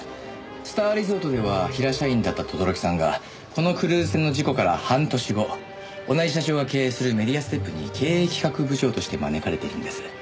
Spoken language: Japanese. スターリゾートでは平社員だった轟さんがこのクルーズ船の事故から半年後同じ社長が経営するメディアステップに経営企画部長として招かれているんです。